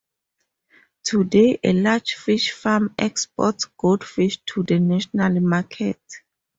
Today a large fish farm exports goldfish to the national market.